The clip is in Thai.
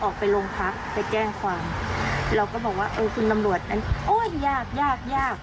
ออกไปโรงพักไปแจ้งความเราก็บอกว่าเออคุณตำรวจนั้นโอ้ยยากยากยากยาก